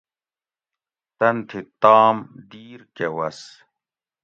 تن تھی تام دِیر کہ وس